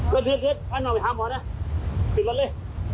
ไปไปทางหน่อไปทางหมอน่ะปิดรถเลย